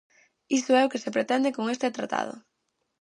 Iso é o que se pretende con este tratado.